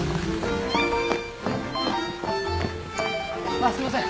あっすいません。